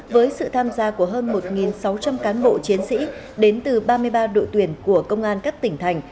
với sự tham gia của hơn một sáu trăm linh cán bộ chiến sĩ đến từ ba mươi ba đội tuyển của công an các tỉnh thành